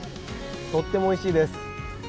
とってもおいしいです。